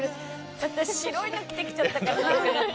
私、白いの着てきちゃったから。